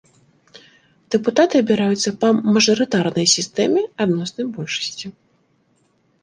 Дэпутаты абіраюцца па мажарытарнай сістэме адноснай большасці.